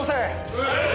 はい！